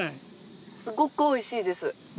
すごくおいしいです。